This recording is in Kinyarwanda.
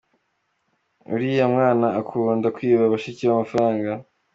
Uriya mwana akunda kwiba bashiki be amafaranga.